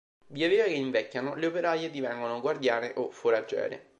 Via via che invecchiano, le operaie divengono guardiane o foraggere.